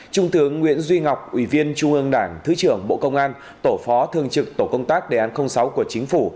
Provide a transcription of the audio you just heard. trung tướng nguyễn duy ngọc ủy viên trung ương đảng thứ trưởng bộ công an tổ phó thương trực tổ công tác đề án sáu của chính phủ